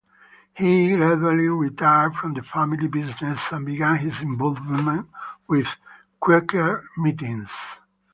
He gradually retired from the family business and began his involvement with Quaker meetings.